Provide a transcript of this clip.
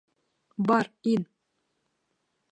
Бар, ин!